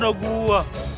tidak ada gua